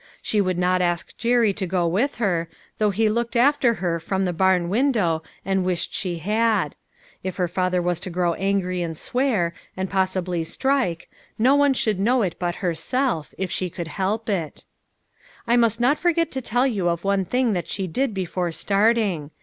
She would not ask Jerry to go with her, though he looked after her from the barn window and wished she had ; if her father was to grow angry and swear, and possibly 120 LITTLE FISHERS : AND THEIR NETS. strike, no one should know it but herself, if she could help it. I must not forget to tell you of one thing that she did before starting.